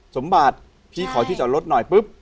สมบัติพี่ขอพี่จอดรถหน่อยปุ๊บ